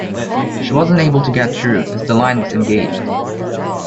She wasn’t able to get through, as the line was engaged